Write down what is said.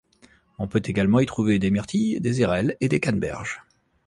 On peut également y trouver des myrtilles, des airelles et des canneberges.